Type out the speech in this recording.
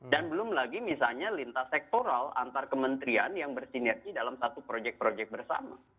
dan belum lagi misalnya lintas sektoral antar kementerian yang bersinergi dalam satu proyek proyek bersama